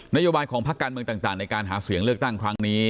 โยบายของพักการเมืองต่างในการหาเสียงเลือกตั้งครั้งนี้